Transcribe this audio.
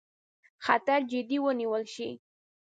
خطر جدي ونیول شي.